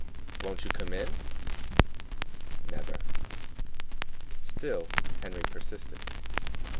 "Won't you come in?" "Never." Still Henry persisted.